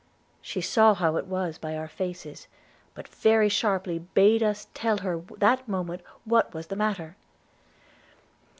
She saw how it was by our faces, but very sharply bade us tell her that moment what was the matter.